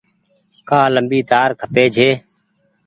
ڪآ ليمبي تآر کپي ڇي۔